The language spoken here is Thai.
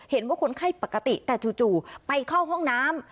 เห็นว่าคนไข้ปกติแต่จู่ไปเข้าห้องน้ำ